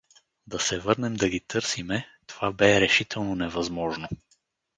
Да се върнем да ги търсиме, това бе решително невъзможно.